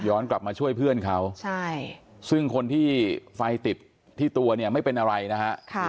กลับมาช่วยเพื่อนเขาซึ่งคนที่ไฟติดที่ตัวเนี่ยไม่เป็นอะไรนะฮะ